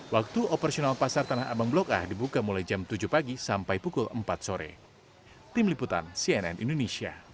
waktu operasional pasar tanah abang blok a dibuka mulai jam tujuh pagi sampai pukul empat sore